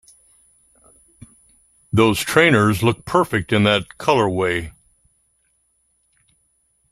Those trainers look perfect in that colorway!